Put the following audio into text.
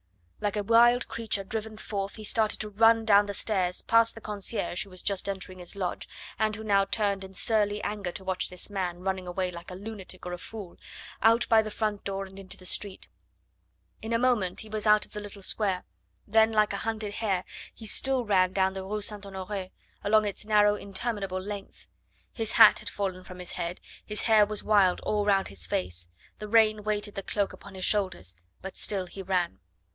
Like a wild creature driven forth he started to run down the stairs, past the concierge, who was just entering his lodge, and who now turned in surly anger to watch this man running away like a lunatic or a fool, out by the front door and into the street. In a moment he was out of the little square; then like a hunted hare he still ran down the Rue St. Honore, along its narrow, interminable length. His hat had fallen from his head, his hair was wild all round his face, the rain weighted the cloak upon his shoulders; but still he ran.